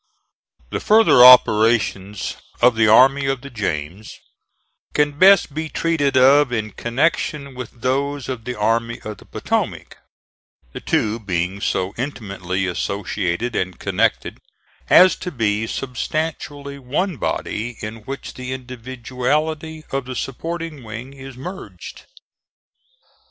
The further operations of the Army of the James can best be treated of in connection with those of the Army of the Potomac, the two being so intimately associated and connected as to be substantially one body in which the individuality of the supporting wing is merged.